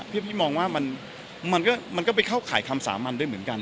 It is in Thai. เพราะพี่มองว่ามันมันก็มันก็ไปเข้าข่ายคำสามัญด้วยเหมือนกัน